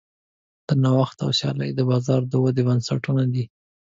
نوښت او سیالي د بازار د ودې بنسټونه دي.